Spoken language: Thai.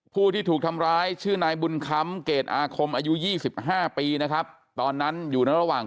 ผู้ที่ถูกทำร้ายชื่อนายบุญคำเกรดอาคมอายุ๒๕ปีนะครับตอนนั้นอยู่ในระหว่าง